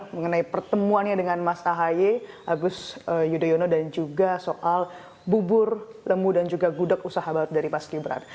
mengenai pertemuannya dengan mas ahaye agus yudhoyono dan juga soal bubur lemu dan juga gudeg usaha dari mas gibran